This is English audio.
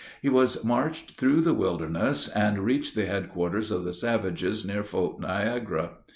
He was marched through the wilderness, and reached the headquarters of the savages near Fort Niagara.